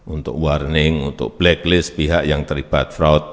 untuk warning untuk blacklist pihak yang terlibat fraud